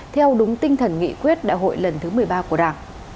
theo đúng tinh thần nghị quyết đại hội lần thứ một mươi ba của đảng